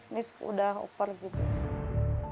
ini sudah upper gitu